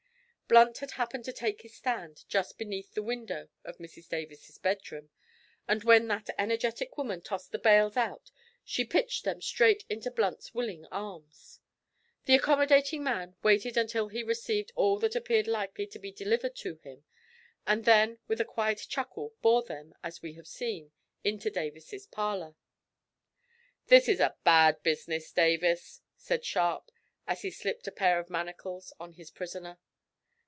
Blunt had happened to take his stand just underneath the window of Mrs Davis's bedroom, and when that energetic woman tossed the bales out she pitched them straight into Blunt's willing arms. The accommodating man waited until he had received all that appeared likely to be delivered to him, and then with a quiet chuckle bore them, as we have seen, into Davis's parlour. "This is a bad business, Davis," said Sharp, as he slipped a pair of manacles on his prisoner.